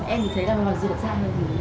em thì thấy là họ dược ra rồi